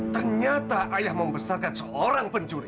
ternyata ayah membesarkan seorang pencuri